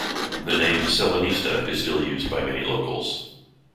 The name "Selinitsa" is still used by many locals.